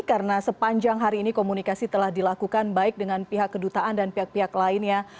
karena sepanjang hari ini komunikasi telah dilakukan baik dengan pihak kedutaan dan pihak pihak lainnya